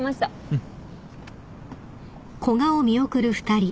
うん。